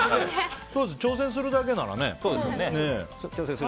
挑戦するだけならね。